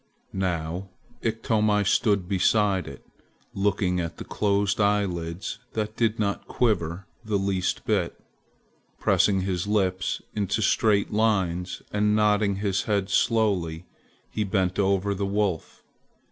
Now Iktomi stood beside it, looking at the closed eyelids that did not quiver the least bit. Pressing his lips into straight lines and nodding his head slowly, he bent over the wolf.